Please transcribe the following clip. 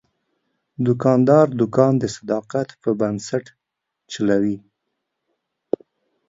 دوکاندار دوکان د صداقت په بنسټ چلوي.